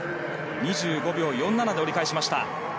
２５秒４７で折り返しました。